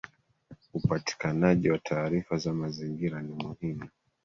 Upatikanaji wa taarifa za mazingira ni muhimu